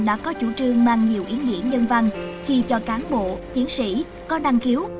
đã có chủ trương mang nhiều ý nghĩa nhân văn khi cho cán bộ chiến sĩ có năng khiếu